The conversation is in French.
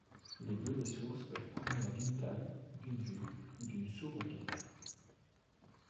Les données sources peuvent provenir d'une table, d'une vue ou d'une sous requête.